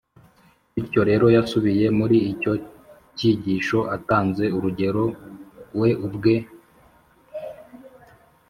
bityo rero yasubiye muri icyo cyigisho atanze urugero we ubwe uib